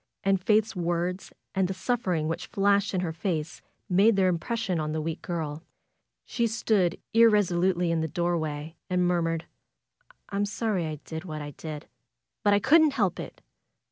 And Faith's words and the suffering which flashed into her face made their impression on the weak girl. She stood irresolutely in the doorway and murmured: ^M'm sorry I did what I did ; but I couldn't help it.